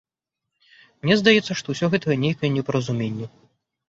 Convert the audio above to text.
Мне здаецца, што ўсё гэта нейкае непаразуменне.